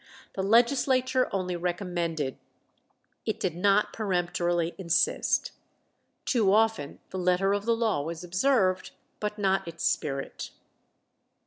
The legislature only recommended, it did not peremptorily insist. Too often the letter of the law was observed, but not its spirit.